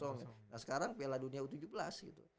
nah sekarang piala dunia u tujuh belas gitu